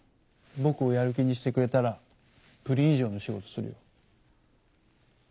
僕をやる気にしてくれたらプリン以上の仕事するよ。